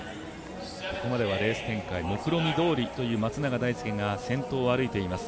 ここまではレース展開もくろみどおりという松永大介が先頭を歩いています。